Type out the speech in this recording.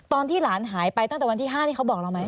ตอนที่หลานหายไปตั้งแต่วันที่๕ที่เขาบอกเราไหม